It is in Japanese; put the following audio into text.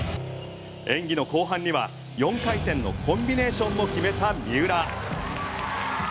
演技の後半には４回転のコンビネーションの決めた三浦。